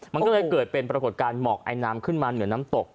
มันก็เลยเกิดเป็นปรากฏการณ์หมอกไอน้ำขึ้นมาเหนือน้ำตก